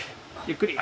ゆっくり。